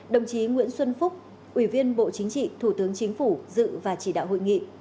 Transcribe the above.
đồng chí nguyễn xuân phúc ủy viên bộ chính trị thủ tướng chính phủ dự và chỉ đạo hội nghị